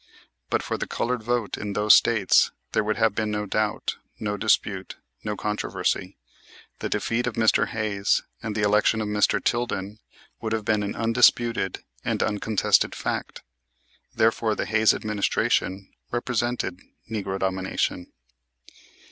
But for the colored vote in those States there would have been no doubt, no dispute, no controversy. The defeat of Mr. Hayes and the election of Mr. Tilden would have been an undisputed and an uncontested fact. Therefore, the Hayes administration represented "Negro Domination."